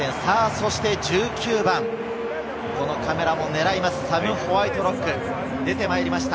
そして１９番、カメラも狙います、サム・ホワイトロックが出てまいりました。